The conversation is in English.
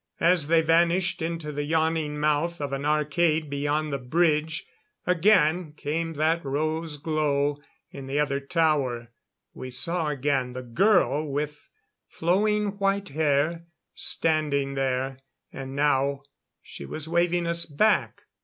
As they vanished into the yawning mouth of an arcade beyond the bridge, again came that rose glow in the other tower. We saw again the girl with flowing white hair standing there. And now she was waving us back.